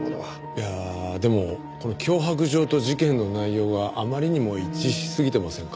いやあでもこの脅迫状と事件の内容があまりにも一致しすぎてませんか？